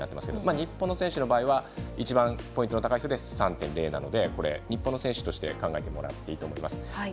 日本の選手の場合一番のポイントの高い選手は３．０なので日本の選手として考えてもらっていいと思います。